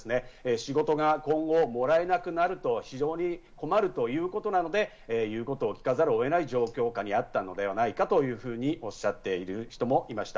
仕事が今後もらえなくなると非常に困るということなので言うことを聞かざるを得ない状況下にあったのではないかというふうにおっしゃっている人もいました。